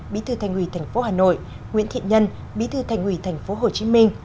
bí thư thành ủy thành phố hà nội nguyễn thị nhân bí thư thành ủy thành phố hồ chí minh